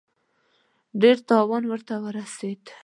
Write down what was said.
ډېر تاوان ورته ورسېد.